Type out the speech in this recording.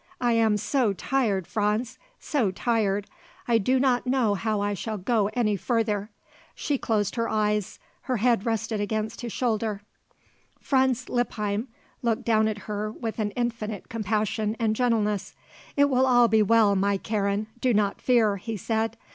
I am so tired, Franz. So tired. I do not know how I shall go any further." She closed her eyes; her head rested against his shoulder. Franz Lippheim looked down at her with an infinite compassion and gentleness. "It will all be well, my Karen; do not fear," he said.